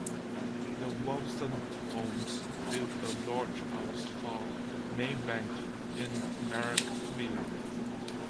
The Wolstenholmes built a large house called 'Maybanke' in Marrickville.